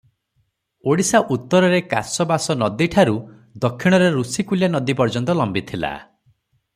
ଓଡିଶା ଉତ୍ତରରେ କାଶବାଶନଦୀଠାରୁ ଦକ୍ଷିଣରେ ଋଷିକୁଲ୍ୟାନଦୀ ପର୍ଯ୍ୟନ୍ତ ଲମ୍ବିଥିଲା ।